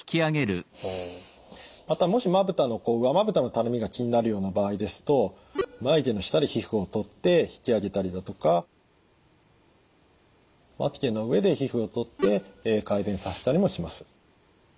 またもし上まぶたのたるみが気になるような場合ですと眉毛の下で皮膚をとって引き上げたりだとかまつげの上で皮膚をとって改善させたりもします。